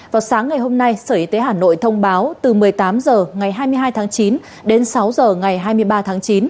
vào sáng ngày hôm nay sở y tế hà nội thông báo từ một mươi tám h ngày hai mươi hai tháng chín đến sáu h ngày hai mươi ba tháng chín